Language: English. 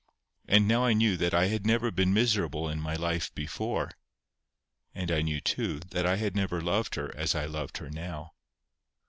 And now I knew that I had never been miserable in my life before. And I knew, too, that I had never loved her as I loved her now.